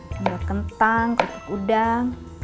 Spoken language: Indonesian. sambal kentang ketup udang